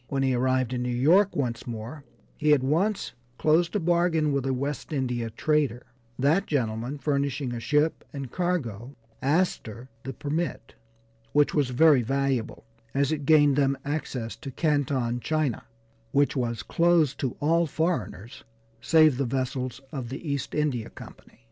When he arrived in New York once more he at once closed a bargain with a West India trader, that gentleman furnishing a ship and cargo, Astor the permit, which was very valuable, as it gained them access to Canton, China, which was closed to all foreigners save the vessels of the East India Company.